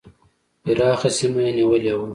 پراخه سیمه یې نیولې وه.